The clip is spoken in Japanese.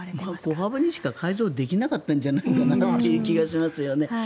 小幅にしか改造できなかったんじゃないかなという気がしますよね。